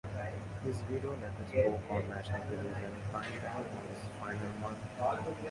His widow later spoke on national television ("Prime Time") of his final months.